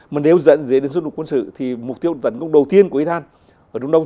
mà nếu dẫn đến sự đối đầu với quân sự thì mục tiêu tấn công đầu tiên của iran ở trung đông